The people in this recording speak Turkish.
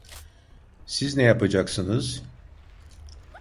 Siz ne yapacaksınız?